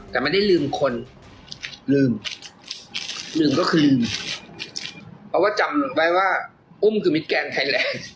แต่ไม่ได้ลืมคนลืมลืมก็คือลืมเพราะว่าจำไว้ว่าอุ้มคือมิดแกงไทยแลนด์